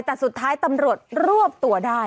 แต่สุดท้ายตำรวจรวบตัวได้